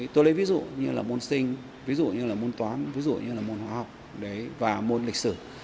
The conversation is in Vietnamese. tôi lấy ví dụ như là môn sinh ví dụ như là môn toán ví dụ như là môn hóa học và môn lịch sử